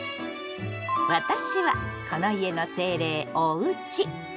私はこの家の精霊「おうち」。